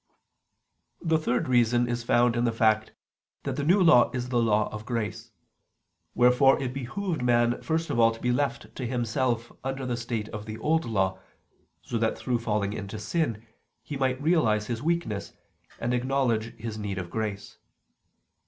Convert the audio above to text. The third reason is found in the fact that the New Law is the law of grace: wherefore it behoved man first of all to be left to himself under the state of the Old Law, so that through falling into sin, he might realize his weakness, and acknowledge his need of grace.